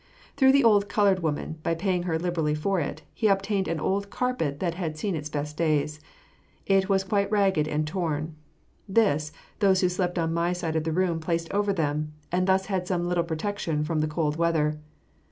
Through the old colored woman, by paying her liberally for it, he obtained an old carpet that had seen its best days. It was quite ragged and torn. This, those who slept on my side of the room placed over them, and thus had some little protection from the cold weather.